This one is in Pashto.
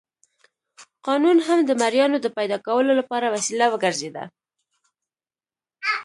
قانون هم د مریانو د پیدا کولو لپاره وسیله وګرځېده.